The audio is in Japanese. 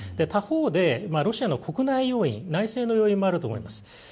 他方でロシアの国内要因内政の要因もあると思います。